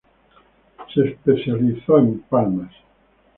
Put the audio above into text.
Se especializó en palmas.